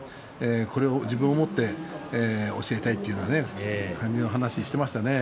これを自分をもって教えたいというような感じの話をしていましたね。